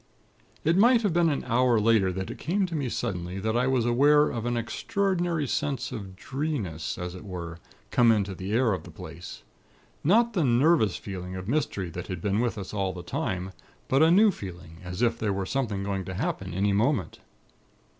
"It might have been an hour later that it came to me suddenly that I was aware of an extraordinary sense of dreeness, as it were, come into the air of the place. Not the nervous feeling of mystery that had been with us all the time; but a new feeling, as if there were something going to happen any moment.